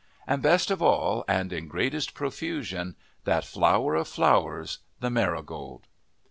And best of all and in greatest profusion, that flower of flowers, the marigold.